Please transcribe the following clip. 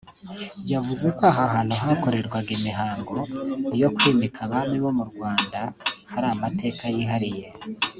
yavuze ko aha hantu hakorerwaga imihango yo kwimika abami bo mu Rwanda hari amateka yihariye